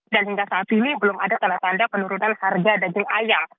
dan hingga saat ini belum ada tanda tanda penurunan harga daging ayam